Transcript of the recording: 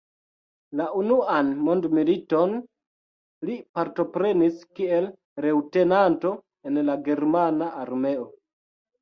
La Unuan Mondmiliton li partoprenis kiel leŭtenanto en la germana armeo.